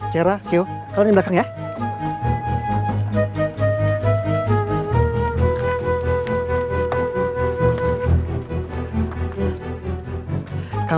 chiara kiw kalian yang dapetin ya